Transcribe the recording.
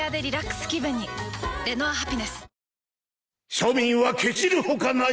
庶民はケチるほかない！